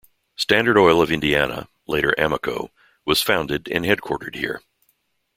Standard Oil of Indiana, later Amoco, was founded and headquartered here.